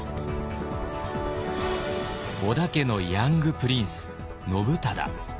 織田家のヤングプリンス信忠。